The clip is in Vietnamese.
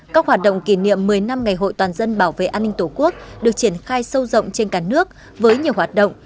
các hoạt động kỷ niệm một mươi năm ngày hội toàn dân bảo vệ an ninh tổ quốc được triển khai sâu rộng trên cả nước với nhiều hoạt động